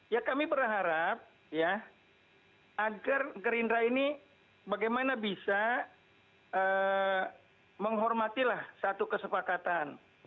ya kami berharap ya agar gerindra ini bagaimana bisa menghormatilah satu kesepakatan